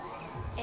え？